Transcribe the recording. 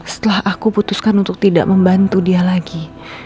setelah aku putuskan untuk tidak membantu dia lagi